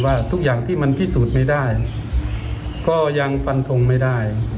ว่าทุกอย่างที่มันพิสูจน์ไม่ได้ก็ยังฟันทงไม่ได้